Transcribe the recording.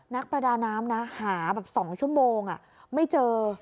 นักประดาน้ำนะหาแบบ๒ชั่วโมงไม่เจอ